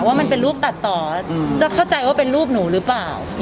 ว่ามันเป็นรูปตัดต่อจะเข้าใจว่าเป็นรูปหนูหรือเปล่า